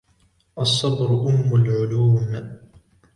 الصبر أُمُّ العلوم.